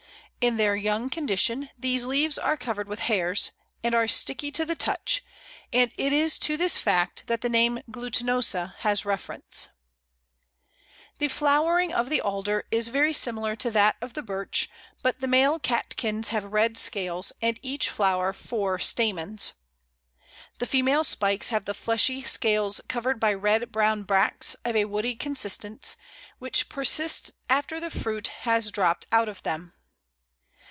In their young condition these leaves are covered with hairs, and are sticky to the touch, and it is to this fact that the name glutinosa has reference. [Illustration: Pl. 18. Catkins of Alder.] [Illustration: Pl. 19. Bole of Alder.] The flowering of the Alder is very similar to that of the Birch, but the male catkins have red scales, and each flower four stamens. The female spikes have the fleshy scales covered by red brown bracts of a woody consistence, which persist after the fruit has dropped out of them.